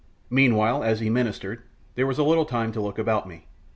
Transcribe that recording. Meanwhile, as he ministered, there was time to look about me.